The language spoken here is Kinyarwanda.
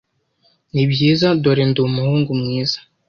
nibyiza dore ndi umuhungu mwiza